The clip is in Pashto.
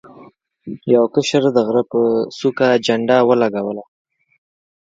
یو کشر د غره په څوکه جنډه ولګوله.